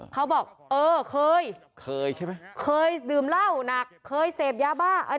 เขาบอกเออเคยเคยใช่ไหมเคยดื่มเหล้าหนักเคยเสพยาบ้าอะไร